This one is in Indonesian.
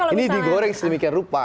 ini digoreng sedemikian rupa